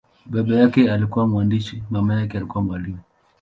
Baba yake alikuwa mwandishi, mama alikuwa mwalimu.